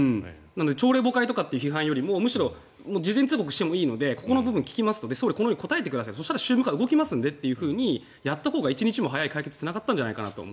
朝令暮改という批判よりも事前通告してもいいのでここの部分を聞きますと政府はこのように答えてくださいそうしたら宗務課は動きますんでとやったほうが一日も早い解決につながったんじゃないかと。